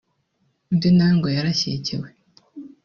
Undi nawe ngo yarashyekewe